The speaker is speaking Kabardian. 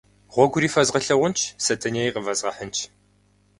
Гъуэгури фэзгъэлъагъунщ, Сэтэнеи къывэзгъэхьынщ.